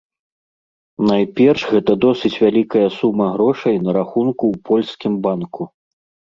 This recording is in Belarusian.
Найперш гэта досыць вялікая сума грошай на рахунку ў польскім банку.